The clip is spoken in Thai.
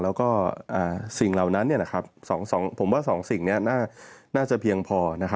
แล้วก็สิ่งเหล่านั้นผมว่า๒สิ่งนี้น่าจะเพียงพอ